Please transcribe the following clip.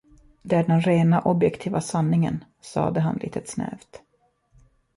Det är den rena objektiva sanningen, sade han litet snävt.